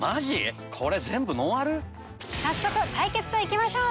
早速対決といきましょう！